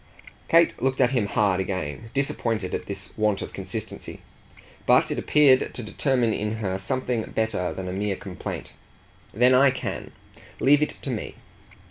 Kate looked at him hard again, disappointed at his want of consistency; but it appeared to determine in her something better than a mere complaint. "Then I can! Leave it to me."